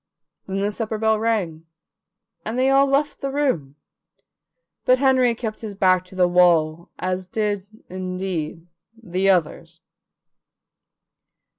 Then the supper bell rang, and they all left the room, but Henry kept his back to the wall, as did, indeed, the others.